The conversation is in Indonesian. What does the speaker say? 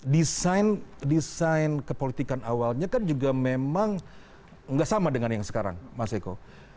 desain desain kepolitikan awalnya kan juga memang nggak sama dengan yang sekarang mas eko